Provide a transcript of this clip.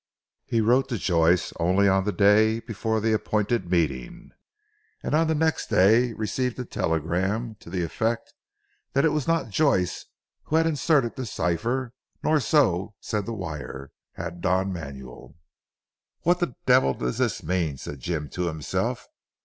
He wrote to Joyce only on the day before the appointed meeting, and on the next day received a telegram, to the effect that it was not Joyce who had inserted the cipher nor, so said the wire, had Don Manuel. "What the devil does this mean?" said Jim to himself.